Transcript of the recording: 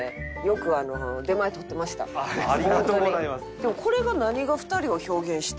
でもこれが何が２人を表現した？